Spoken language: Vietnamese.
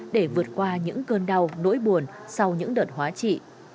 để vượt qua những cơn đau nỗi buồn sau những đợt hóa trị